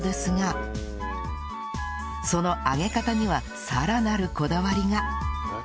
その揚げ方にはさらなるこだわりが！